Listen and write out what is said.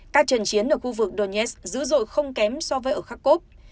các trận chiến ở khu vực donets dữ dội không kém so với ở kharkov